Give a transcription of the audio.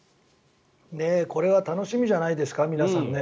これは楽しみじゃないですか皆さんね。